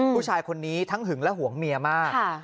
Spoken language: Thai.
ผู้ชายคนนี้ทั้งหึงและห่วงเมียมาก